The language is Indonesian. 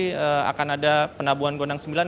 jadi akan ada penabuhan gondang sembilan